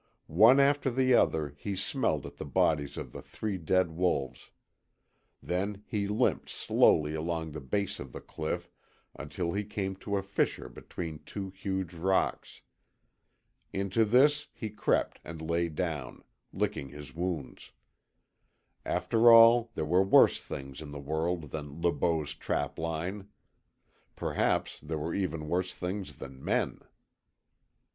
One after the other he smelled at the bodies of the three dead wolves. Then he limped slowly along the base of the cliff until he came to a fissure between two huge rocks. Into this he crept and lay down, licking his wounds. After all there were worse things in the world than Le Beau's trapline. Perhaps there were even worse things than men.